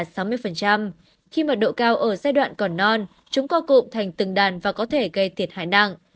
khi mật độ cao ở giai đoạn còn non chúng co cụm thành từng đàn và có thể gây thiệt hại nặng